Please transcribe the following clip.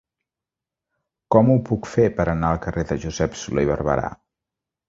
Com ho puc fer per anar al carrer de Josep Solé i Barberà?